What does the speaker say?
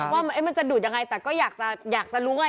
ว่ามันจะดูดยังไงแต่ก็อยากจะรู้ไง